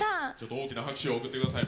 大きな拍手を送ってください。